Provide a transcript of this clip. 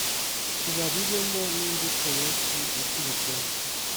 tubabibemo n'imbuto yesu yatubibyemo.